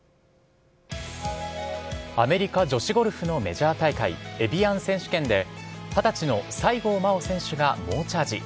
アメリカ女子ゴルフのメジャー大会、エビアン選手権で、２０歳の西郷真央選手が猛チャージ。